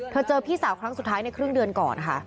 เจอพี่สาวครั้งสุดท้ายในครึ่งเดือนก่อนค่ะ